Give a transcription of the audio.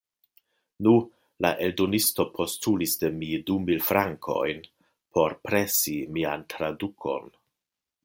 Nu, la eldonisto postulis de mi du mil frankojn por presi mian tradukon.